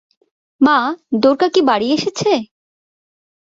মা, দ্বোরকা কি বাড়ি এসেছে?